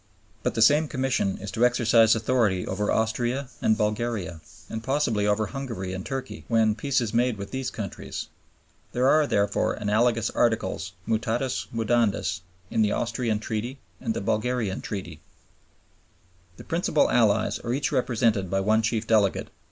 But the same Commission is to exercise authority over Austria and Bulgaria, and possibly over Hungary and Turkey, when Peace is made with these countries. There are, therefore, analogous articles mutatis mudandis in the Austrian Treaty and in the Bulgarian Treaty. The principal Allies are each represented by one chief delegate.